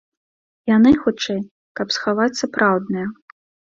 Яны, хутчэй, каб схаваць сапраўдныя.